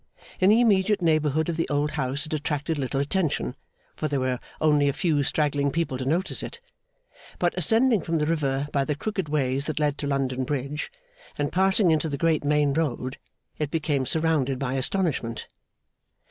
In the immediate neighbourhood of the old house it attracted little attention, for there were only a few straggling people to notice it; but, ascending from the river by the crooked ways that led to London Bridge, and passing into the great main road, it became surrounded by astonishment.